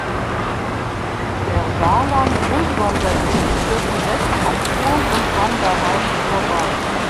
Der Saarland-Rundwanderweg führt direkt an Turm und Wanderheim vorbei.